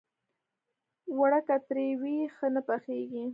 اوړه که ترۍ وي، ښه نه پخېږي